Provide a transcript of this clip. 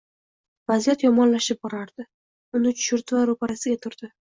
Vaziyat yomonlashib borardi. Uni tushirdi va ro'parasiga turdi: